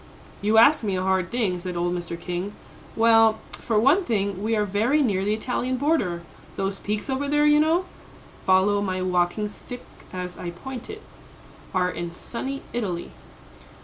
"You ask me a hard thing," said old Mr. King. "Well, for one thing, we are very near the Italian border; those peaks over there, you know, follow my walking stick as I point it, are in sunny Italy."